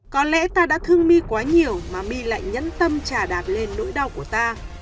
có lẽ ta đã thương my quá nhiều mà my lại nhẫn tâm trà đạp lên nỗi đau của ta